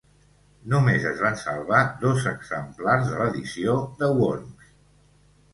Només es van salvar dos exemplars de l'edició de Worms.